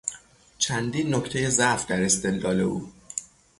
چندین نکتهی ضعف در استدلال او